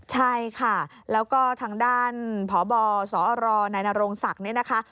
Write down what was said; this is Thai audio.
ใช่ค่ะแล้วก็ทางด้านพบสอรนายนโรงศักดิ์เนี่ยนะคะ